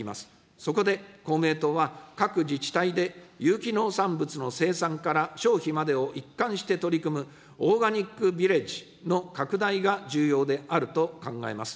そこで、公明党は、各自治体で、有機農産物の生産から消費までを一貫して取り組むオーガニックビレッジの拡大が重要であると考えます。